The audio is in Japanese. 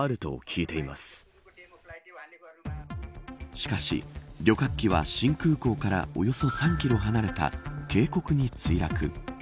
しかし、旅客機は新空港からおよそ３キロ離れた渓谷に墜落。